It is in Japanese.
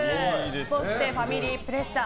そしてファミリープレッシャー。